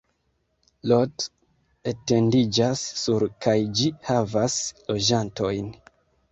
Lot etendiĝas sur kaj ĝi havas loĝantojn.